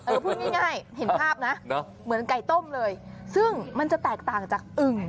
พูดง่ายเห็นภาพนะเหมือนไก่ต้มเลยซึ่งมันจะแตกต่างจากอึ่ง